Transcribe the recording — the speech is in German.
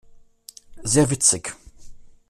Sehr witzig!